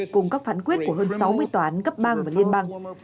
cùng các phản quyết của hơn sáu mươi toán cấp bang và liên bang